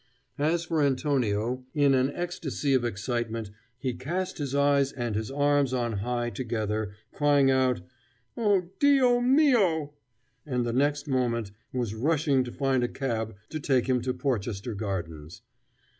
As for Antonio, in an ecstasy of excitement he cast his eyes and his arms on high together, crying out, "O Dio mio!" and the next moment was rushing to find a cab to take him to Porchester Gardens.